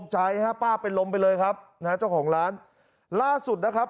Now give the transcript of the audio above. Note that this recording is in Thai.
ใจฮะป้าเป็นลมไปเลยครับนะฮะเจ้าของร้านล่าสุดนะครับ